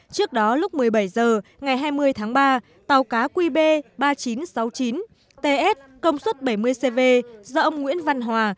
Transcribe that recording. trước đó lúc một mươi bảy h ngày hai mươi tháng ba tàu cá qb ba nghìn chín trăm sáu mươi chín ts công suất bảy mươi cv do ông nguyễn văn hòa